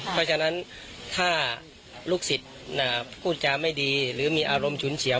เพราะฉะนั้นถ้าลูกศิษย์พูดจาไม่ดีหรือมีอารมณ์ฉุนเฉียว